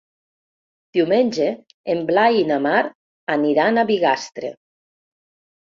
Diumenge en Blai i na Mar aniran a Bigastre.